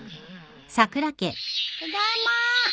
ただいま！